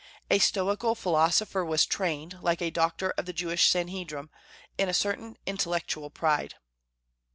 A Stoical philosopher was trained, like a doctor of the Jewish Sandhedrim, in a certain intellectual pride.